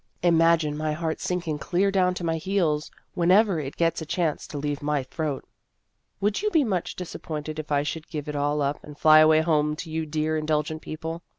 Imagine my heart sink ing clear down to my heels whenever it gets a chance to leave my throat. Would you be much disappointed if I should give it all up, and fly away home to you dear indulgent people